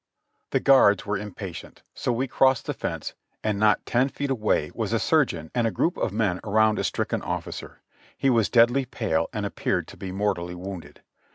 * The guards were impatient, so we crossed the fence, and not ten feet away was a surgeon and a group of men around a stricken officer; he was deadly pale and appeared to be mortally wounded.